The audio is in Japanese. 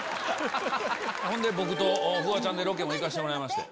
僕とフワちゃんでロケも行かしてもらいまして。